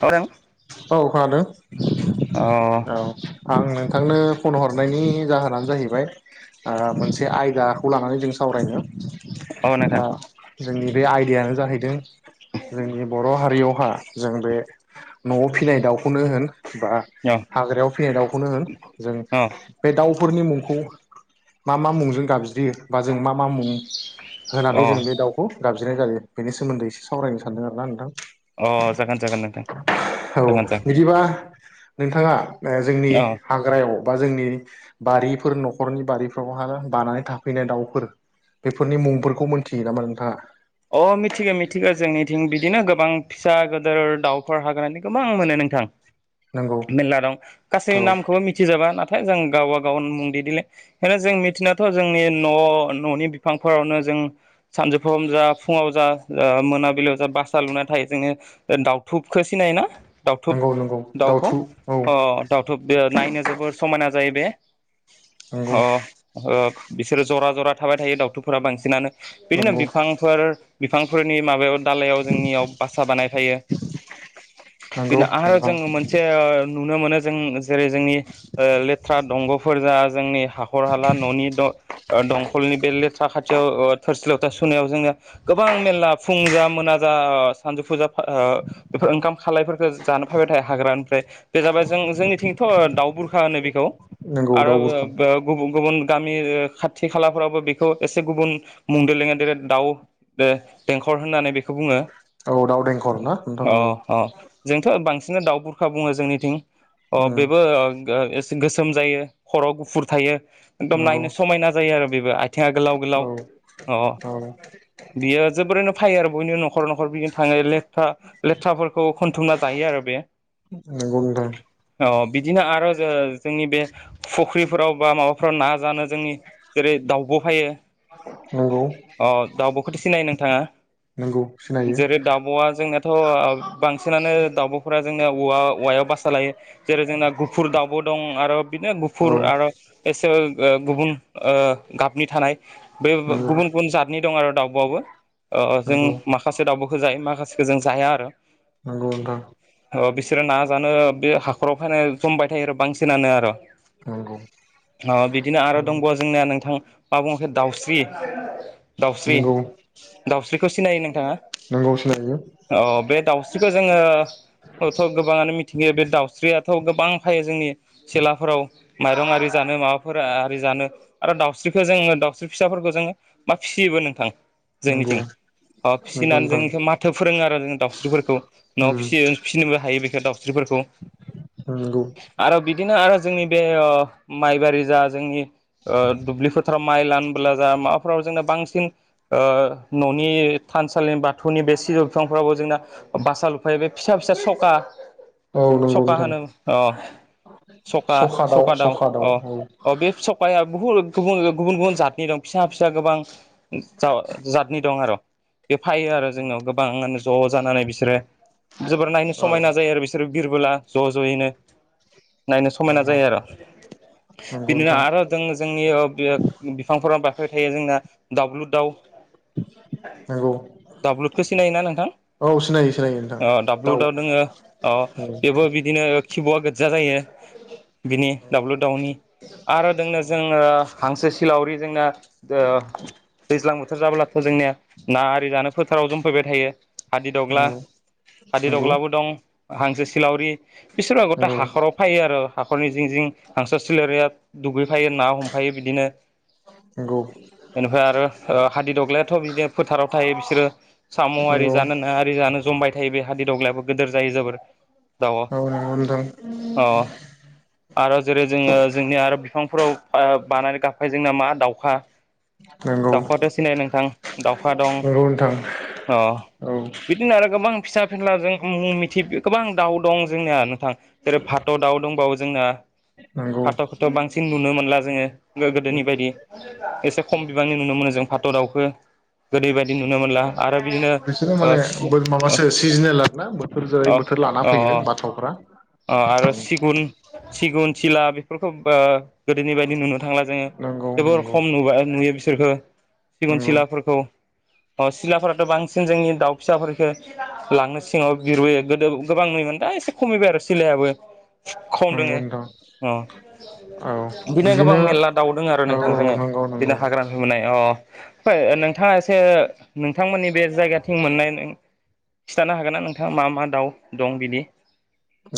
औ नोंथां औ खोनादों अ औ आं नोंथांनो फन हरनायनि जाहोनानो जाहैबाय मोनसे आयदाखौ लानानै जों सावरायदों औ नोंथां दा जोंनि बे आयदायानो जाहैदों जोंनि बर' हारियावहा जों बे न'आव फिसिनाय दाउखौनो होन बा औ हाग्रायाव फिनाय दाउखौनो होन जों बे दाउफोरनि मुंखौ मा मा मुंजों गाबज्रियो बा जों मा मा मुं औ अ होनानै जों बे दाउ खौ दाबज्रिनाय जायो बेनि सोमोन्दै एसे सावरायनो सानदों आरो ना नोंथां अ जागोन जागोन नोंथां औ जागोन जागोन बिदिबा नोंथाङा जोंनि औ हाग्रायाव बा जोंनि बारिफोर न'खरनि बारिफोरावहा बानानै थाफैनाय दाउफोर बेफोरनि मुंफोरखौ मोनथियो नामा नोंथाङा अ मिथिगौ मिथिगौ जोंनिथिं बिदिनो गोबां फिसा गिदोर दाउफोर हाग्रानै गोबां मोनो नोंथां [inaudible] मेरला दं गासैनि औ नामखौबो मिथिजाबा नाथाय जों गावा गाव मुंददिले बेनो जों मिथिनायाथ' जोंनि न' न'नि बिफांफोरावनो जों सानजौफुम जा फुङाव जा मोनाबिलियाव जा बासा लुनानै थायो जोङो दाउथुबखौ सिनायो ना दाउथुब नंगौ नंगौ दाउखौ दाउथु औ अ दावथुब बे नायनो जोबोर समायना जायो बे नंगौ अ बिसोरो जरा जरा थाबाय थायो दाउथुफोरा बांसिनानो बिदिनो नंगौ बिफांफोर बिफांफोरनि माबायाव दालायाव जोंनियाव बा बानायै नंगौ बिनो आरो नोंथां जोङो मोन मोनसे नुनो मोनो जों जेरै जोंनि लेथ्रा दंग'फोर जा जोंनि हाखर हाला न'नि दंखलनि बे लेथ्रा खाथियाव थोरसि लथा सुनायाव जोङो गोबां मेरला फुं जा मोना जा सानजौफुजा बेफोर ओंखाम खालायफोरखौ जानो फैबाय थायो हाग्रानिफ्राय बे जाबाय जों जोंनिथिंथ' दाउ बुरखा होनो बेखौ नंगौ आरो दाउ बुरखा गुबुन गुबुन गामि खाथि खालाफ्रावबो बेखौ एसे गुबुन मुंदेर लेङा देर दाउ दे देंखर होननानै बेखौ बुङो औ दाउ देंखर ना नोंथां अ औ अ जोंथ' बांसिन दाउ बुरखा बुङो जोंनिथिं। अ उम बेबो ओ गो ओ एसे गोसोम जायो खर'आव गुफुर थायो। एकदम नंगौ नायनो समायना जायो आरो बेबो आथिङा गोलाव-गोलाव औ अ औ। बियो जोबोरैनो फायो आरो बयनिनो न'खर-न'खर बिदिनो थाङो लेथफ्रा लेथ्राफोरखौ खनथुमना जायो आरो बे उम। औ बिदिनो आरो ज-जोंनि बे फुख्रिफोराव बा माबाफोराव ना जानो जोंनि जेरै दाउब' फायो। नंगौ। हथि सिनायो नोंथाङा नंगौ सिनायो जेरै दाब'आ जोंना थ' ओ बांसिनानो दाउब'फोरा जोंनाया उवा उवायाव बाससा लायो। जेरै जोंना गुफुर दावउ दं आरो बिदिनो औ गुफुर आर' एसे ओ गुबुन ओ गाबनि थानाय बे नंगौ गुबुन गुबुन जातनि दं आरो दाउ ब'वाबो ओ जों नंगौ माखासे दाउबखो जायो माखासेखो जों जाया आरो। नंथां। अ बिसोरो ना जानो बे हाखराव फायनाय जमबाय थायो आर' बांसिनानो आर' उम। अ बिदिनो आरो दंबाव जोंनिया नोंथां मा बुङा इखो दाउस्रि। दाउस्रि [inaudible] दाउस्रिखौ सिनायो नोंथाङा नंगौ सिनायो अ बे दाउस्रिखौ जोङो थ' गोबाङानो मिथियो बे दाउस्रियाथ' गोबां फायो जोंनि सेलाफोराव माइरं आरि जानो माबाफोर आरि जानो आरो दाउस्रिखौ जोङो दाउस्रि फिसाफोरखौ जोङो मा फिसिबो नोंथां। नंगौ। अ नंगौ फिसिनानै जों नोंथां इखो माथो फोरोङो आरो जों दाउस्रिफोरखौ। न'आव उम फिसि फिसिनोबो हायो बेखौ दाउस्रिफोरखौ। नंगौ। आरो बिदिनो आरो जोंनि बे अ माइबारि जा जोंनि ओ दुब्लि फोथाराव माइ लानबोला जा माबाफ्राव जोंना बांसिन औ न'नि थानसालिनि बाथौनि बे सिजौ बिफांफ्रावबो जोंना बासा लुफायो बे फिसा-फिसा सखा औ नंगौ सखा नोंथां होनो अ सखा सखा दाउ अ अ बे सखाया बहुत गुबुन गुबुन गुबुन जातनि दं फिसा-फिसा गोबां जाव-जादनि दं आरो बे फायो आरो नंगौ जोंनियाव गोबां मे ज' जानानै बिसोरो। जोबोर नायनो औ समायना जायो आरो बिसोरो बिरबोला ज' ज'यैनो। नायनो समायना नंगौ जाय आर' नंगौ बिदिनो नोंथां आरो जों जोंनि ओ बि-बिफांफोरा बाफायबाय थायो जोंना दाउरलु दाउ। नंगौ। दाउब्लुदखौ सिनायोना नोंथां औ सिनायो सिनायो नोंथां ओ दाउ दाउब्लुदआव दोङो अ औ नंगौ बेबो बिदिनो खिब'आ गोजा जायो बिनि दाब्लु दाउनि आरो जोंनो औ जोङो हांसो सिलावरि जोंन ओ दैज्लां बोथोर जाब्लाथ' जोंनिया ना आरि जानो फोथाराव जमफायबाय थायो। हादिदग्ला नंगौ हादिरदग्लाबो दं। हांसो सिलावरि बिसोरबा गथ नंगौ हाखराव फायो आरो हाखरनि जिं जिं हांसो सिलरिया दुगैफायो ना हमफायो बिदिनो नंगौ बेनिफ्राय आरो ओ हादि दग्लायाथ' बिदिनो फोथाराव थायो बिसोरो साम' आरि नंगौ जानो नाङा आरि जानो। जमबाय थायो बे हादि दग्लायाबो गिदिर जायो जोबोर औ नंगौ नोंथां। आ आरो जेरै जोङो जोंनि आरो बिफांफोराव फा बानानै गाबफाइदों नामा दाउखा नंगौ दाउहाथ' सिनाय नोंथां दाउखा दं नंगौ नोंथां अ औ बिदिनो आरो गोबां फिसा फिनला जों मुं मिथि गोबां दाउ दं जोंनिया नोंथां जेरै फाथ' दाउ दंबावो जोंना नंगौ फाथ'खौथ' बांसिन नुनो मोनला जोङो गोदोनि बायदि एसे खम बिबांनि नुनो मोनो जों फाथ' दाउखो गोदै बायदि नुनो मोनला आरो बिदिनो नंगौ बिसोरो ओ माने सि अ माबासो सिजोनेल आरोना बोथोर जेरै अ बोथोर लाना फैयो अ बाथ'फ्रा आरो औ सिगुन सिगुन सिला बेफोरखौ ओ गोदोनि बायदि नुनो थांला जों नंगौ जोबोर नंगौ खम नुबाय नुयो बिसोरखौ सिगुन नंगौ सिलाफोरखौ ओ सिलाफोराथ' बांसिन जोंनि दाउ फिसाफोरफोरखौ लांनो सिङाव बिरबोयो गोदो गोबां नुयोमोन दा एसे खमायबाय आरो सिलायाबो नंगौ खमदोङो नोंथां अ बिदिनो गोबां मेरला दाउदों आरो औ नोंथां औ जोङो नंगौ बिदिनो नंगौ हाग्रानि नुनाय अ नोंथाङा एसे नोंथांमोननि बे जायगाथिं मोननाय खिन्थानो हागोन ना नोंथाङा मा मा दाउ दं बिदि?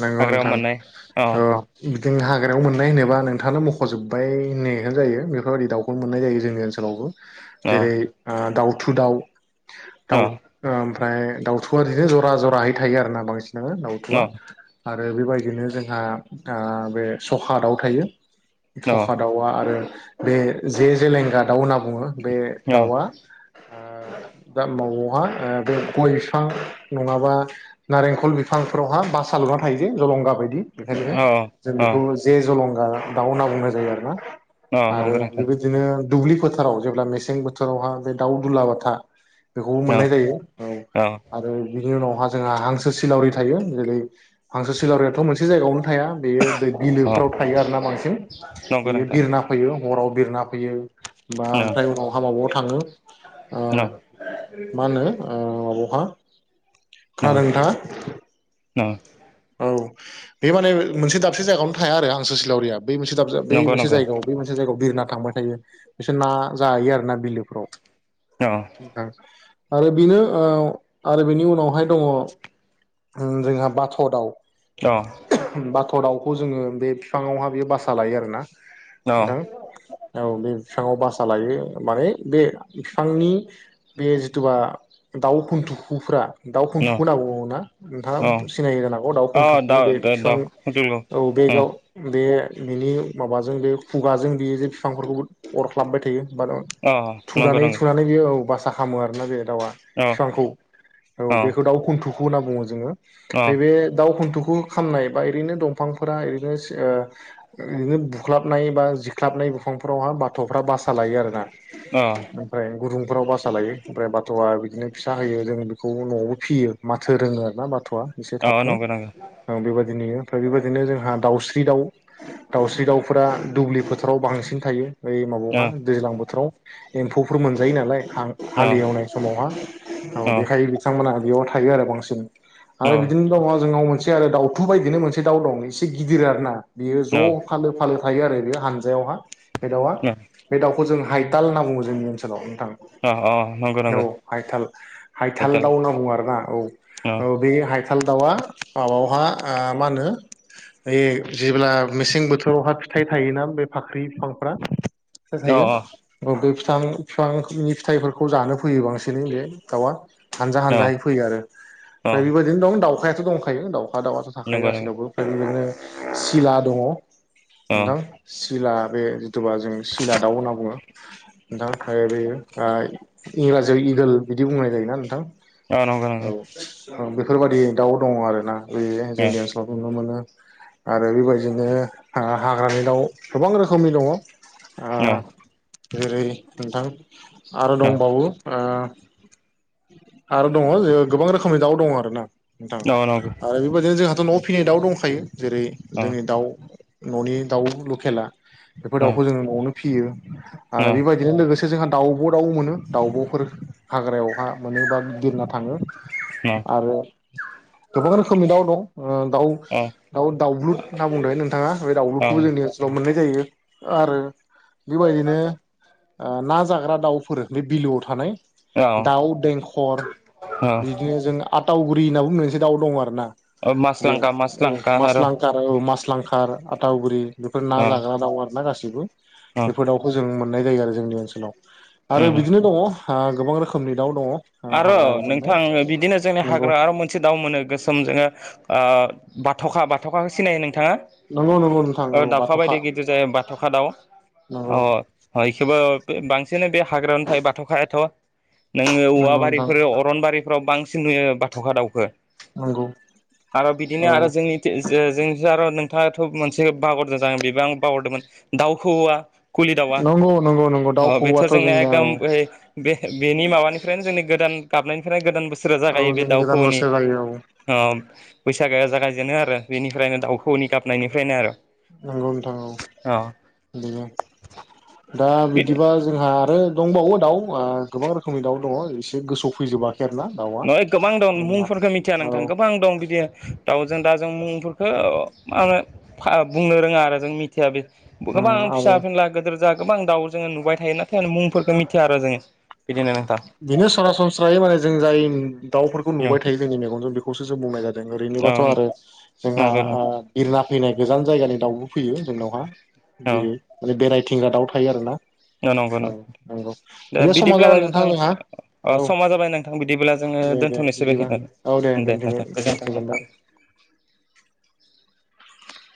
नंगौ हाग्रायाव मोननाय अ नोंथां औ बिदिनो हाग्रायाव मोननाय होनोबा नोंथाङानो मख'जोबबाय होननायखौनो जायो बेफोरबायदि दाउखौनो मोननाय जायो जोंनि ओनसोलावबो अ जेरै ओ दाउथु दाउ अ दाउ ओमफ्राय दाउथुवआ बिदिनो जरा जराहै थायो आरो ना बांसिनानो अ दाउथुवआ आरो बेबायदिनो जोंहा ओ बे सखा दाउ थायो फखा दाउआ आरो बे जे जेलेंगा दाउ होनना बुङो बे दाउआ ओ दा मावोहा बे गय बिफां नङाबा नारेंखल बिफांफोरावहा बासा लुना थायो जे जलंगा बायदि बेखायनो अ जों अ बेखौ जे जलंगा दाउ होनना बुंनाय जायो आरो ना अ आरो नंगौ नोंथां बेबायदि दिनो दुब्लि फोथाराव जेब्ला मेसें बोथोरावहा बे दाउ दुलाबाथा बेखौबो अ मोननाय जायो औ अ आरो बिनि उनावहा जोंहा हांसो सिलावरि थायो जेरै हांसो सिलारियाथ' मोनसे जायगायावनो थाया बेयो दै अ बिलोफ्राव थायो आरो ना बांसिन नंगौ बेयो नोंथां बिरना फैयो हराव बिरना फैयो बा अ ओमफ्राय उनावहा माबा थाङो ओ अ मा होनो ओ माबावहा कारन्था औ औ बे माने मोनसे दाबसे जायगायावनो थाया आरो हांसो सिलावरिया बे मोनसे दाब बे नंगौ मोनसे नंगौ जायगायाव बै मोनसे जायगायाव बिरना थांबाय थायो बिसोर ना जायो आरो ना बिलोफ्राव औ आरो बेनो ओ आरो बेनि उनावहाय दङ ओ जोंहा बाथ' दाउ अ बाथ' दाउखौ जोङो बे बिफाङावहा बेयो बासा लायो आरोना अ नोंथां औ बे बिफाङाव बासा लायो माने बे बिफांनि बे जिथुबा दाउ खुन्थुखुफ्रा दाउ खुन्थुखु होनना बुङो ना अ नोंथाङा सिनाय जानो हागौ दाउ अ खुन्थुखौ दाउ बे बिफां दाउ खौऔ औ बेे अ गाव बे बिनि माबाजों बे खुगाजों बेयो जे बिफांफोरखौबो अरख्लाबबाय थायो बा अ नंगौ थुनानै नंगौ सुनानै बेयो औ भासा खालामो आरोना बे दाउआ अ बिफांखौ औ अ बेखौ दाउ खुन्थुखु होनना बुङो जोङो अ ओमफ्राय बे दाउ खुन्थुखु खामनाय बा ओरैनो दंफांफोरा ओरैनो ओ बुख्लाबनाय बा जिख्लाबनाय बिफांफोरावहा बाथ'फ्रा बासा लायो आरोना ओमफ्राय गुदुंफोराव बासा लायो ओमफ्राय बाथ'आ बिदिनो फिसा होयो जोंङो बेखौ न'आवबो फियो माथो रोङो आरो ना बाथ'आ एसे अ थाबनो नंगौ नंगौ बेबायदि नुयो ओमफ्राय बेबायदिनो जोंहा दाउस्रि दाउ दाउस्रि दाउफोरा दुब्लि फोथाराव बांसिन थायो। बै अ माबायावहा दैज्लां बोथोराव एम्फौफोर मोनजायो नालाय हां अ हालेवनाय समावहा बेखाय बिथांमोनहा बेयाव थायो आरो बांसिन आरो अ बिदिनो दङ जोंनाव मोनसे आरो दाउथु बायदिनो मोनसे दाउ दं एसे गिदिर आरो ना। बियो ज' फालो फालो थायो आरो बेयो हानजायावहा बे दावा। बे दाउखौ जों हाइथाल होनना बुङो जोंनि ओनसोलाव नोंथां। अ नंगौ औ नंगौ हायथाल हायथाल दाव होनना बुङो आरो ना औ। आ औ बे हायथाल दाउआ माबायावहा ओ मा होनो बे जेब्ला मेसें बोथोरावहा फिथाइ थायोना बे फाख्रि बिफांफ्रा [unintelligible] अ थायो बे फिथां फिफांनि फिथाइफोरखौ जानो फैयो बांसिनै बे दाउआ। हानजा अ हानजायै फैयो आरो ओमफ्राय अ बेबायदिनो दं दाउखायाथ' दंखायो दाउखा दाउआथ'। थाखायो नंगौ नंगौ गासैनावबो फ्रायबो बेबादिनो सिला दङ अ नोंथां। सिला बे जिथुबा जों सिला दाउ होनना बुङो नोंथां [unintelligible] आ इंराजियाव इगोल बिदि बुंनाय जायोना नोंथां अ नंगौ नों ओ बेफोरबादि दाउ दङ आरोना बै अ जोंनि ओनसो नुनो मोनो आरो बेबायदिनो आ हाग्रानि दाउ गोबां रोखोमनि दङ। आ अ जेरै नोंथां आरो अ दंबावो आ आरो दङ जो गोबां रोखोमनि दाउ दङ आरो ना। नोंथां औ नंगौ आरो बेबायदिनो जोंहाथ' न'आव फिनाय दाउ दंखायो जेरै अ दोंनि दाउ न'नि दाउ लकेला बेफोर अ दाउखौ जोङो न'आवनो फियो आरो बेबायदिनो लोगोस जोंहा दाउब' दाउ मोनो दाउब'फोर हाग्रायावहा मोनो बा बिरना थाङो आरो गोबां रोखोमनि दाउ दं ओ दाउ दाउ दाउब्लुद होनना बुंदों नोंथाङा बे दाउब्लुखौबो अ जोंनि सोलाव मोननाय जायो आरो बेबायदिनो ओ ना जाग्रा दाउफोर बे बिलोआव थानाय औ ओ बे जों आतावगुरि होनना बुङो मोनसे दाव दङ आरो ना अ बे मासलांखा औ मासलांखा आरो मासलां खार औ मास लांखार आथाउगुरि बेफोर ना अ जाग्रा दाउ आरना गासिबो। अ बेफोर दाउखौ जों मोननाय जायो आरो जोंनि ओनसोलाव आरो उम बिदिनो दङ आ गोबां रोखोमनि दाउ दङ आर' हाग्रायाव मोननाय नोंथां बिदिनो जोंनि नंगौ हाग्रा आरो मोन से दाउ मोनो गोसोम जोङो ओ बाथ'खा बाथ'खाखो सिनायो नोंथाङा? नंगौ नंगौ नोंथां औ दाउखा बाथ'खा बायदि गिदिर जायो बाथ'खा दाउ नंगौ अ। अ इखोबो बांसिन बे हाग्रायावनो थायो बे‌ बाथ'खायाथ' नोङो औवा नंगौ नोंथां फ्राव अरनबारिफ्राव बांसिन नुयो बाथ'खा दाउखो नंगौ आर' औ बिदिनो आरो जोंनि जे जो जों आर' नोंथाङाथ' मोनसे बावारदो दां बिबो आं बावरदोंमोन दाउ खौऔवा कुलि दाउवा नंगौ नंगौ नंगौ दाउ अ बेथ' खौवौआथ' जोंनाया जोंनिया एकदम औ ओइ बे बेनि माबानिफ्रायनो जोंनि गोदान गाबनायनिफ्रायनो गोदान बोसोरा औ जागायो बे जोंनि गोदान दाउखौनि। बोसोर जायो औ अ बैसागोआ जागायजेनो आरो बेनिफ्रायनो दाउखौनि गाबनायनिफ्रायनो आर'। नंगौ नोंथां औ बेनो दा अ बिदिबा जोंहा आरो दंबावो दाउ ओ गोबां रोखोमनि दाउ दङ एसे गोसौ नय गोबां दं मुंफोरखो मिथिया औ नोंथां गोबां दं बिदियो दाउजों दा जों मुंफोरखौ मानो फा बुंनो रोङा आरो जों मि थिया बे बो गोबां उम आरो फिसा फिला गोदोर जोंहा गोबां दाउ जोङो नुबाय थायो नाथाय मुंफोरफोरखौ मिथिया आरो जोङो बिदिनो नोंथां। बेनो सरासनस्रायै माने जों जाय दाउफोरखौ औ नुबाय थायो जोंनि मेगनजों बेखौसो जों बुंनाय जा जों औ ओरैनोबाथ' आरो जोंहा नंगौ आ नंगौ बिरना फैनाय गोजान जायगानि दाउबो फैयो जोंनावहा। औ बिदि माने बेरायथिंग्रा दाउ थायो आरो ना। औ नंगौ दा समा बिदिब्ला जाबाय नों जोंहा नोंथां औ समा जाबाय नोंथां बिदिब्ला जोङो दे दे दोनथ'नोसै बिदिबा औ बेायखनानै दे दोनथ'बाय नोंथां गोजोनबाय गोजोन [unintelligible]